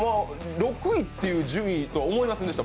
６位という順位とは思いませんでした。